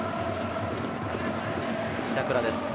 板倉です。